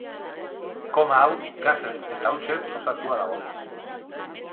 Koma hau gasez eta hautsez osatua dago.